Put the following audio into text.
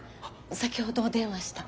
先ほどお電話した。